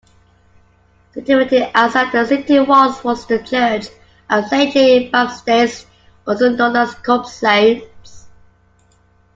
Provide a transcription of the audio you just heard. Situated outside the city walls was the church of Saint-Jean-Baptiste, also known as Corps-Saints.